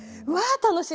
楽しい！